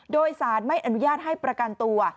โดยสารไม่อนุญาตให้ประกันตัว